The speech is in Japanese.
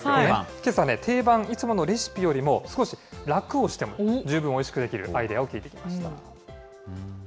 けさ、定番、いつものレシピよりも少しラクをしても、十分おいしく出来るアイデアを聞いてきました。